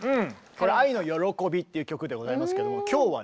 これは「愛のよろこび」っていう曲でございますけども今日はね